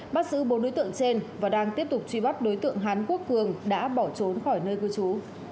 bắt giữ bốn đối tượng trên và đang tiếp tục truy bắt đối tượng hán quốc cường đã bỏ trốn khỏi nơi cư trú